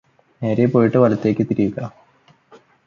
നേരെ പോയിട്ട് വലത്തോട്ട് തിരിയുക